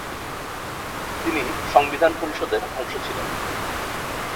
তিনি সংবিধান পরিষদের অংশ ছিলেন।